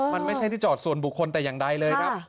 มันไม่ใช่ที่จอดส่วนบุคคลแต่อย่างใดเลยครับ